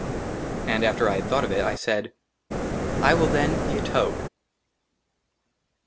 AND AFTER I HAD THOUGHT OF IT, I SAID, " I WILL, THEN, BE A TOAD."